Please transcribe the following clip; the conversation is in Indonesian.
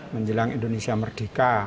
menjelang indonesia merdeka